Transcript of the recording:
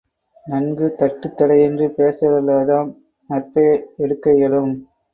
நன்கு தட்டுத் தடையின்றி பேசவல்லவர் தாம் நற்பெயர் எடுக்க இயலும்.